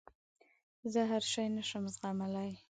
زه هر شی نه شم زغملای.